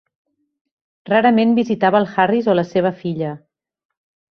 Rarament visitava el Harris o la seva filla.